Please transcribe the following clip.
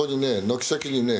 軒先にね